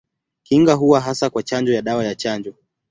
Kinga huwa hasa kwa chanjo ya dawa ya chanjo.